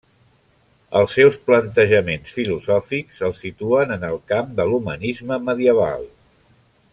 Els seus plantejaments filosòfics el situen en el camp de l'humanisme medieval.